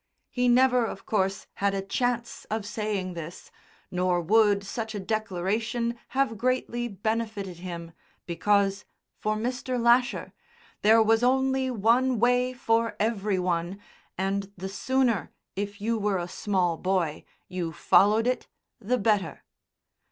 He never, of course, had a chance of saying this, nor would such a declaration have greatly benefited him, because, for Mr. Lasher, there was only one way for every one and the sooner (if you were a small boy) you followed it the better.